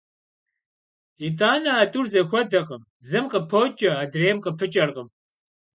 Yit'ani a t'ur zexuedekhım: zım khıpoç'e, adrêym khıpı ç'erkhım.